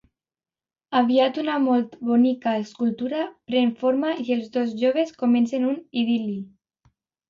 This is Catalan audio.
Aviat una molt bonica escultura pren forma i els dos joves comencen un idil·li.